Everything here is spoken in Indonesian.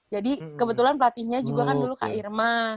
jadi kebetulan latihannya juga kan dulu kak irma